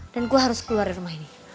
dan gue harus keluar dari rumah ini